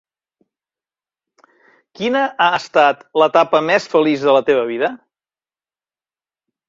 Quina ha estat l'etapa més feliç de la teva vida?